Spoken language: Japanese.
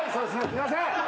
すいません。